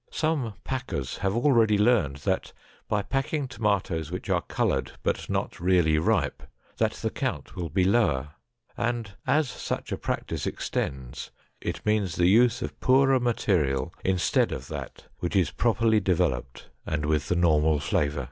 Some packers have already learned that by packing tomatoes which are colored, but not really ripe, that the count will be lower, and as such a practice extends, it means the use of poorer material instead of that which is properly developed and with the normal flavor.